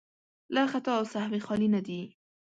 له خطا او سهوی خالي نه دي.